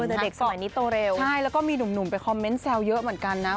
แต่เด็กสมัยนี้โตเร็วใช่แล้วก็มีหนุ่มไปคอมเมนต์แซวเยอะเหมือนกันนะ